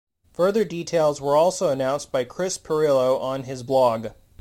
Further details were also announced by Chris Pirillo on his blog.